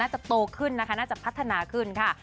จะโตขึ้นนะคะน่าจะพัฒนาขึ้นค่ะ